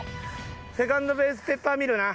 セカンドベースペッパーミルな。